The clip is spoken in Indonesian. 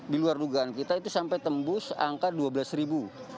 di luar dugaan kita itu sampai tembus angka dua belas ribu